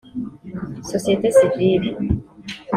sosiyete sivile